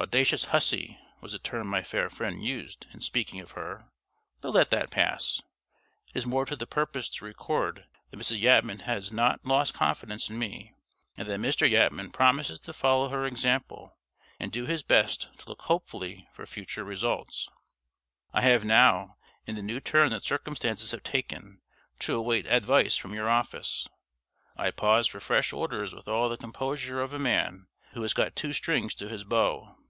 "Audacious hussy" was the term my fair friend used in speaking of her; but let that pass. It is more to the purpose to record that Mrs. Yatman has not lost confidence in me, and that Mr. Yatman promises to follow her example, and do his best to look hopefully for future results. I have now, in the new turn that circumstances have taken, to await advice from your office. I pause for fresh orders with all the composure of a man who has got two strings to his bow.